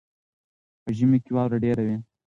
په ژمي کې واوره ډېره وي.